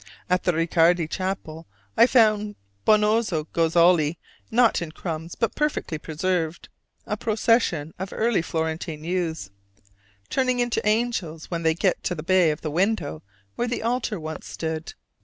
At the Riccardi chapel I found Benozzo Gozzoli, not in crumbs, but perfectly preserved: a procession of early Florentine youths, turning into angels when they get to the bay of the window where the altar once stood.